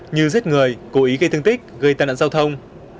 như giết người cố ý gây thương tích gây tai nạn giao thông